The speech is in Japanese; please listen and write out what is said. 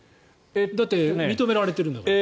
だって認められているんだから。